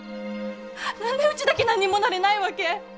何でうちだけ何にもなれないわけ？